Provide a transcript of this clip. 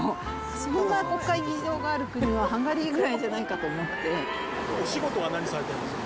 こんな国会議事堂がある国はハンガリーぐらいじゃないかと思ってお仕事は何されてるんですか